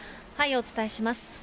お伝えします。